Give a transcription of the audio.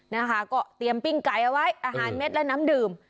นะคะก็เตรียมปิ้งไก่เอาไว้อาหารเม็ดและน้ำดื่ม